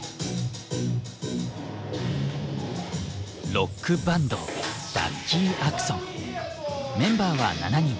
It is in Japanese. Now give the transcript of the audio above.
ロックバンドメンバーは７人。